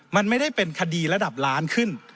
มันไม่ได้เป็นคดีระดับล้านขึ้น